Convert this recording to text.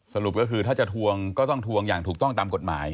สรุปก็คือถ้าจะทวงก็ต้องทวงอย่างถูกต้องตามกฎหมาย